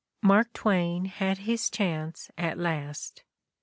Mark Twain had his chance at last